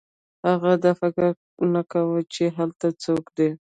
هغه دا فکر هم نه کاوه چې هلته څوک دی